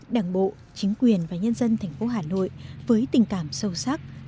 đảng bộ chính quyền và nhân dân tp hà nội với tình cảm sâu sắc